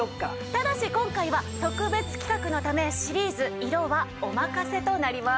ただし今回は特別企画のためシリーズ色はお任せとなります。